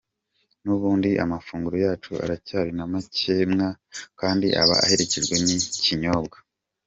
N’ubundi amafunguro yacu aracyari ntamakemwa kandi aba aherekejwe n’ikinyobwa.